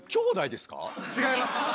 違います！